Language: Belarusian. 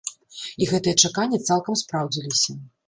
І гэтыя чаканні цалкам спраўдзіліся.